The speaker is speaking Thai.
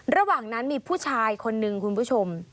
ระหว่างนั้นมีผู้ชายคนนึงคุณผู้ชม